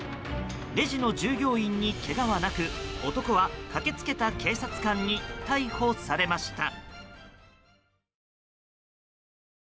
レジの従業員にけがはなく男は駆け付けた警察官に逮捕されました。